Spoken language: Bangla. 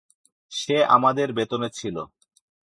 সে আমাদের বেতনে ছিল।